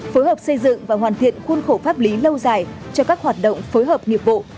phối hợp xây dựng và hoàn thiện khuôn khổ pháp lý lâu dài cho các hoạt động phối hợp nghiệp vụ